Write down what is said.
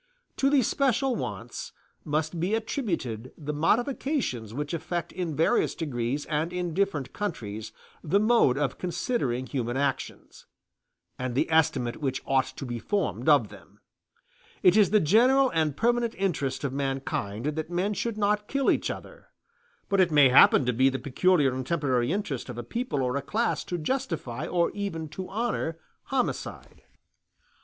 To these special wants must be attributed the modifications which affect in various degrees and in different countries the mode of considering human actions, and the estimate which ought to be formed of them. It is the general and permanent interest of mankind that men should not kill each other: but it may happen to be the peculiar and temporary interest of a people or a class to justify, or even to honor, homicide.